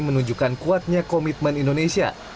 menunjukkan kuatnya komitmen indonesia